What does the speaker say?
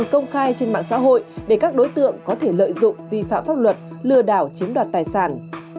công khai trên mạng xã hội để các đối tượng có thể lợi dụng vi phạm pháp luật lừa đảo chiếm đoạt tài sản